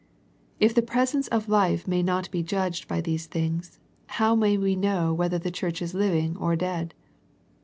If the presence of life may not be judged by these things, how may we know whether the church is living or dead?